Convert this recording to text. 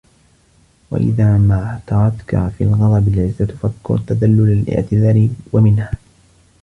وَإِذَا مَا اعْتَرَتْك فِي الْغَضَبِ الْعِزَّةُ فَاذْكُرْ تَذَلُّلَ الِاعْتِذَارِ وَمِنْهَا